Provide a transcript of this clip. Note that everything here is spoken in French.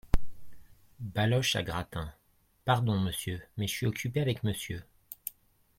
Baloche , à Gratin. — Pardon, monsieur : mais je suis occupé avec monsieur.